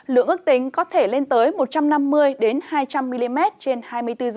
lượng ước tính có thể lên tới một trăm năm mươi hai trăm linh mm trên hai mươi bốn h